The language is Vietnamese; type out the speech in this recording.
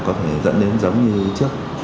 có thể dẫn đến giống như trước